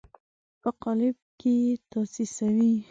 په قالب کې یې تاسیسوي.